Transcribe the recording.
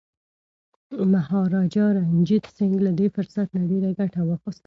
مهاراجا رنجیت سنګ له دې فرصت نه ډیره ګټه واخیسته.